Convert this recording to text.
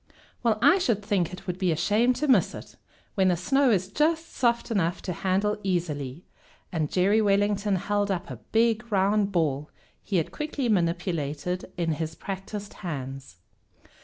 "Well, I should think it'd be a shame to miss it, when the snow is just soft enough to handle easily," and Jerry Wellington held up a big round ball he had quickly manipulated in his practiced hands.